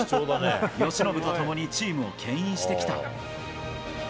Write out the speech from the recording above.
由伸とともにチームをけん引してきた。